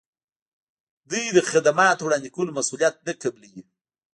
دوی د خدماتو وړاندې کولو مسولیت نه قبلوي.